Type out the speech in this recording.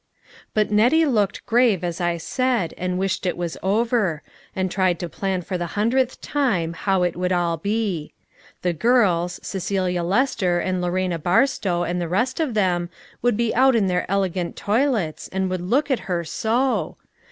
But Nettie looked grave, as I said, and wished it was over ; and tried to plan for the hundredth time, how it would all be. The girls, Cecelia Lester and Lorena Barstow and the rest of them, would be out in their elegant toilets, and would look at her so!